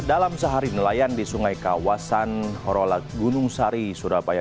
dalam sehari nelayan di sungai kawasan horolat gunung sari surabaya